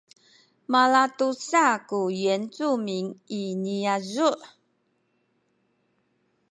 malatusa ku yincumin i niyazu’